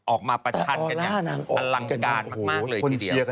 ออกมาประชันกันอย่างอลังการมากเลยทีเดียว